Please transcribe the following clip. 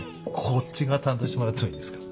こっち側担当してもらってもいいですか？